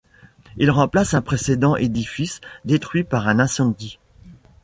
Il remplace un précédent édifice détruit par un incendie.